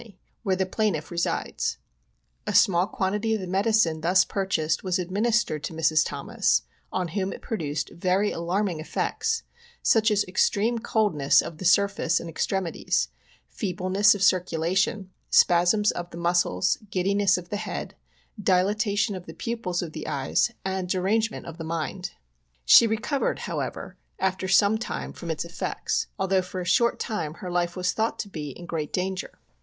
where the plaintiff resides. A small quantity of the medicine thus purchased was administered to Mrs. Thomas, on whom it produced very alarming effects, such as extreme coldness of the sur face and extremeties, feebleness of circulation, spasms of the muscles, giddiness of the head, dilitation of the pupils of the eyes and derangement of the mind. 68 POISONING BY CANNED GOODS. She recovered, however, after some time, from its e^ects^ although for a short time her life was thought to be in great danger.